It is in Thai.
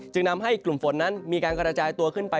นำให้กลุ่มฝนนั้นมีการกระจายตัวขึ้นไป